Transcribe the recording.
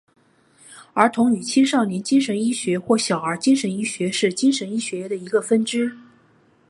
儿童与青少年精神医学或小儿精神医学是精神医学的一个分支。